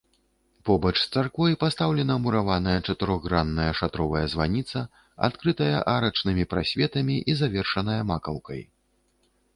Побач з царквой пастаўлена мураваная чатырохгранная шатровая званіца, адкрытая арачнымі прасветамі і завершаная макаўкай.